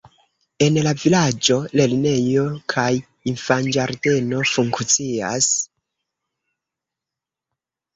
En la vilaĝo lernejo kaj infanĝardeno funkcias.